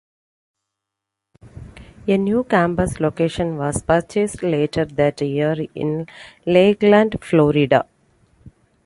A new campus location was purchased later that year in Lakeland, Florida.